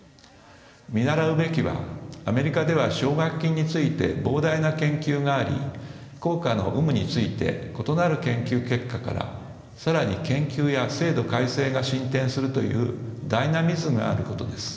見習うべきはアメリカでは奨学金について膨大な研究があり効果の有無について異なる研究結果から更に研究や制度改正が進展するというダイナミズムがあることです。